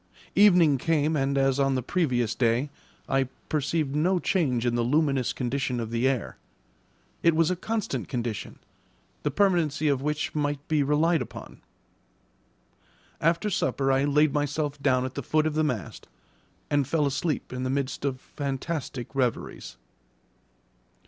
Evening came, and, as on the previous day, I perceived no change in the luminous condition of the air. It was a constant condition, the permanency of which might be relied upon. After supper I laid myself down at the foot of the mast, and fell asleep in the midst of fantastic reveries.